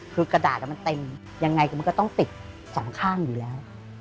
คือกระดาษมันเต็มยังไงคือมันก็ต้องติดสองข้างอยู่แล้ว